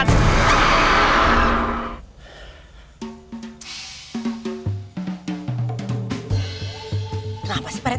kenapa sih pak rete